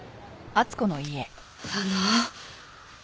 あの。